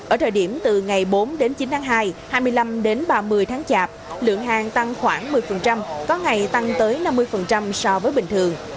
ở thời điểm từ ngày bốn đến chín tháng hai hai mươi năm đến ba mươi tháng chạp lượng hàng tăng khoảng một mươi có ngày tăng tới năm mươi so với bình thường